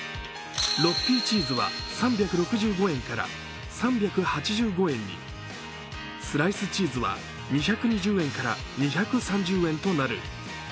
６Ｐチーズは３６５円から３８５円にスライスチーズは２２０円から２３０円となる。